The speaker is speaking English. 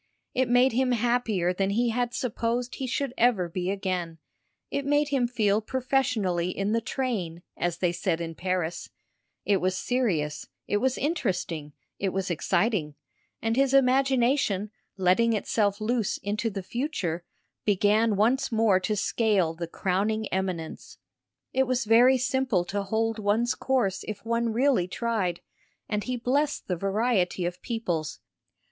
It made him happier than he had supposed he should ever be again; it made him feel professionally in the train, as they said in Paris; it was serious, it was interesting, it was exciting, and his imagination, letting itself loose into the future, began once more to scale the crowning eminence. It was very simple to hold one's course if one really tried, and he blessed the variety of peoples.